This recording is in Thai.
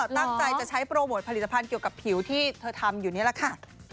ตั้งใจจะใช้โปรโมทผลิตภัณฑ์เกี่ยวกับผิวที่เธอทำอยู่นี่แหละค่ะ